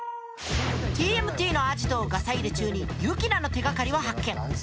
ＴＭＴのアジトをガサ入れ中にユキナの手がかりを発見。